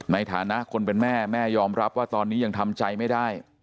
ในฐานะคนเป็นแม่แม่ยอมรับว่าตอนนี้ยังทำใจไม่ได้